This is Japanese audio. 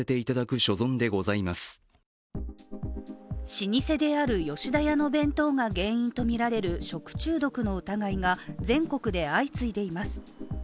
老舗である吉田屋の弁当が原因とみられる食中毒の疑いが全国で相次いでいます。